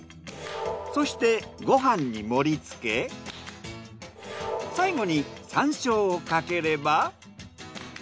そしてご飯に盛り付け最後に山椒をかければ。